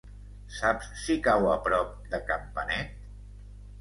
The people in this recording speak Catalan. Saps si cau a prop de Campanet?